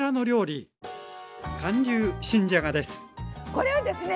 これはですね